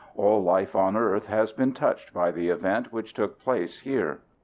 All life on Earth has been touched by the event which took place here.